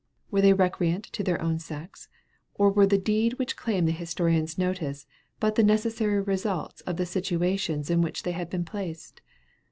Were they recreant to their own sex? or were the deed which claim the historian's notice but the necessary results of the situations in which they had been placed?